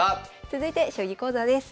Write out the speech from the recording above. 続いて将棋講座です。